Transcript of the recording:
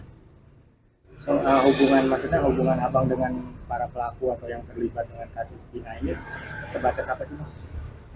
hubungan maksudnya hubungan abang dengan para pelaku atau yang terlibat dengan kasus kina ini